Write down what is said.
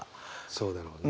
そうだろうね。